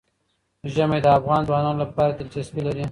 ژمی د افغان ځوانانو لپاره دلچسپي لري.